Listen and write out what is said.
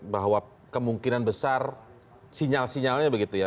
bahwa kemungkinan besar sinyal sinyalnya begitu ya